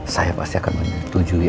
saya pasti akan menunjui